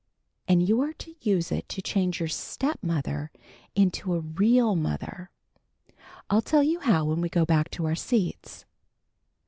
And you are to use it to change your stepmother into a real mother! I'll tell you how when we go back to our seats."